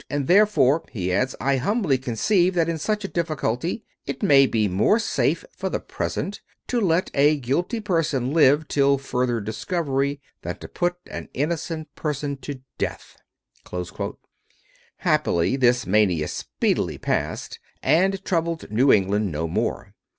"And therefore," he adds, "I humbly conceive that, in such a difficulty, it may be more safe, for the present, to let a guilty person live till further discovery than to put an innocent person to death." Happily this mania speedily passed, and troubled New England no more.